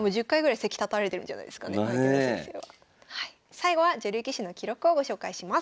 最後は女流棋士の記録をご紹介します。